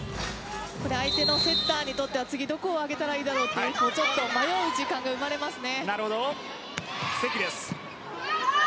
相手のセッターにとっては次どこに上げたらいいんだろうと、迷う時間が生まれますね。